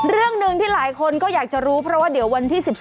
เรื่องหนึ่งที่หลายคนก็อยากจะรู้เพราะว่าเดี๋ยววันที่๑๒